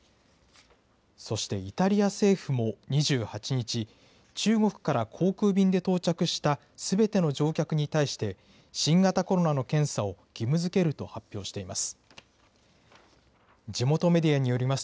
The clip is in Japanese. そしてイタリア政府も２８日、中国から航空便で到着したすべての乗客に対して、新型コロナの検査を義務づけると発表しています。